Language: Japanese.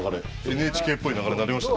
ＮＨＫっぽい流れになりました。